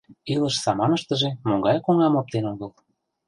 Илыш саманыштыже могай коҥгам оптен огыл.